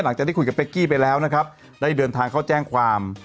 หลังจากได้คุยกับเป๊กกี้ไปแล้วนะครับได้เดินทางเข้าแจ้งความ